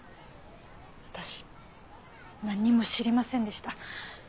私何も知りませんでした。